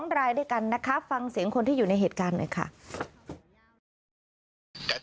รายด้วยกันนะคะฟังเสียงคนที่อยู่ในเหตุการณ์หน่อยค่ะ